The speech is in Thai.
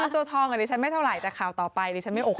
ตัวทองกับดิฉันไม่เท่าไหร่แต่ข่าวต่อไปดิฉันไม่อก